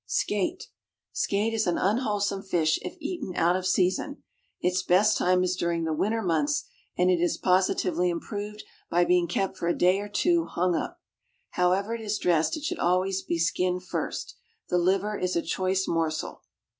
=Skate.= Skate is an unwholesome fish if eaten out of season. Its best time is during the winter months, and it is positively improved by being kept for a day or two hung up. However it is dressed it should always be skinned first. The liver is a choice morsel.